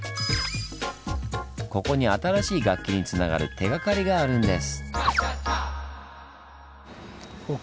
ここに新しい楽器につながる手がかりがあるんです。